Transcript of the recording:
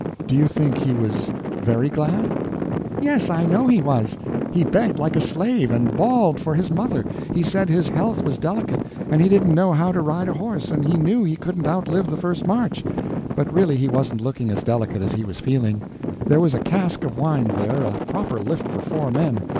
"Do you think he was very glad?" "Yes, I know he was. He begged like a slave, and bawled for his mother. He said his health was delicate, and he didn't know how to ride a horse, and he knew he couldn't outlive the first march. But really he wasn't looking as delicate as he was feeling. There was a cask of wine there, a proper lift for four men.